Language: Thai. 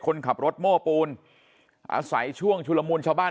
คนขับรถโม้ปูนอาศัยช่วงชุลมูลชาวบ้าน